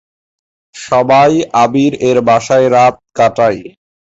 সবাই "আবির"-এর বাসায় রাত কাটায়।